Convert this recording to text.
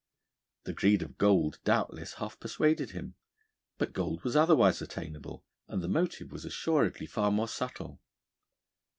The greed of gold, doubtless, half persuaded him, but gold was otherwise attainable, and the motive was assuredly far more subtle.